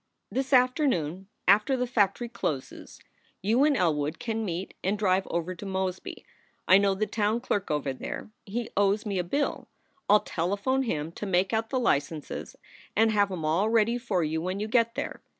"This afternoon, after the factory closes, you and Elwood can meet and drive over to Mosby. I know the town clerk over there he owes me a bill. I ll telephone him to make out the licenses and have em all ready for you when you get there.